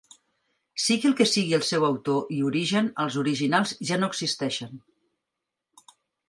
Sigui el que sigui el seu autor i origen, els originals ja no existeixen.